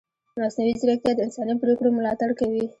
مصنوعي ځیرکتیا د انساني پرېکړو ملاتړ کوي.